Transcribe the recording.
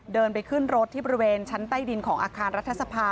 เดินไปขึ้นรถที่บริเวณชั้นใต้ดินของอาคารรัฐสภา